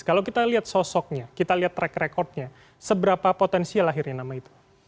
kalau kita lihat sosoknya kita lihat track recordnya seberapa potensial akhirnya nama itu